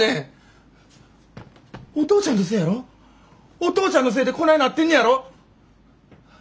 お父ちゃんのせえでこないなってんねやろ？